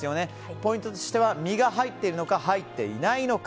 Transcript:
ポイントとしては身が入っているのか入っていないのか。